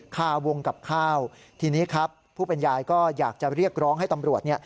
คาวงกับข้าวทีนี้ครับผู้เป็นยายก็อยากจะเรียกร้องให้ตำรวจเนี่ย